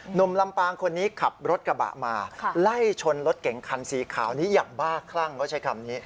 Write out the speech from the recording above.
หนุ่มลำปางคนนี้ขับรถกระบะมาไล่ชนรถเก๋งคันสีขาวนี้อย่างบ้าคลั่งเขาใช้คำนี้